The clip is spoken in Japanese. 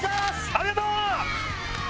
ありがとう！